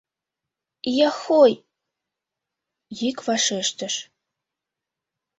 — Яхой, — йӱк вашештыш.